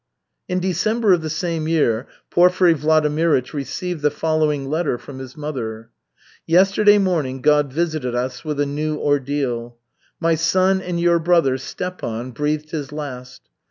In December of the same year, Porfiry Vladimirych received the following letter from his mother: "Yesterday morning God visited us with a new ordeal. My son and your brother, Stepan, breathed his last.